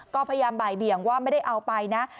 ก็พยายามบ่ายเบี่ยงว่าไม่ได้เอาไปนะ